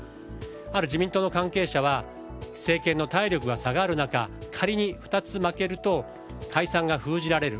ある自民党の関係者は政権の体力が下がる中仮に２つ負けると解散が封じられる。